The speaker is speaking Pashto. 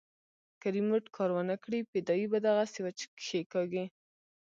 که ريموټ کار ونه کړي فدايي به دغه سوېچ کښېکاږي.